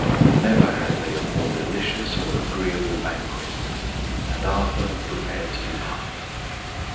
Never had they a more delicious or agreeable banquet. And Arthur prepared to depart.